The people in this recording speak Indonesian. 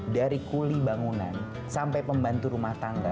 dari kuli bangunan sampai pembantu rumah tangga